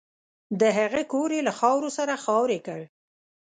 د هغه کور یې له خاورو سره خاورې کړ